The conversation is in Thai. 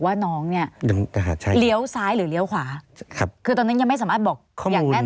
ว่าน้องเนี่ยเหลียวซ้ายหรือเหลียวขวาคือตอนนั้นยังไม่สามารถบอกอย่างแน่นอนได้ใช่ไหมคะ